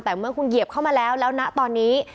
แต่เมื่อคุณเหยียบเข้ามาแล้วแล้วนะตอนนี้